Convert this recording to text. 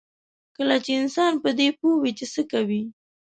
کله چې انسان په دې پوه وي چې څه کوي.